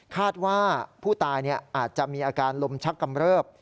คาดว่าผู้ตายอาจจะมีอาการลมชักกำเริบ